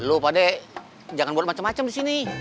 lo pak be jangan buat macem macem di sini